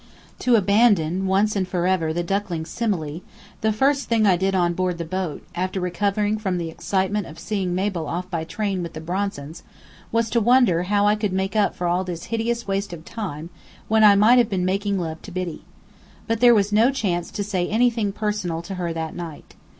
To abandon once and forever the duckling simile, the first thing I did on board the boat, after recovering from the excitement of seeing Mabel off by train with the Bronsons, was to wonder how I could make up for all this hideous waste of time when I might have been making love to Biddy. But there was no chance to say anything personal to her that night.